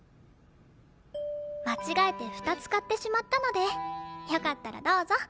間違えて２つ買ってしまったのでよかったらどうぞ。